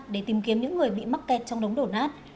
để tìm kiếm những người bị mắc kẹt trong đống đổ nát